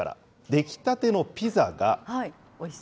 出来たてのピザが。